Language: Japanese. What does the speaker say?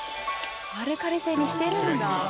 アルカリ性にしてるんだ。